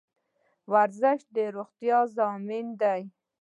ورزش د روغتیا ضامن دی